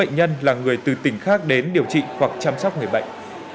người từ tỉnh khác đến điều trị hoặc chăm sóc người bệnh